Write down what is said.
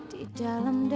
di dalam dada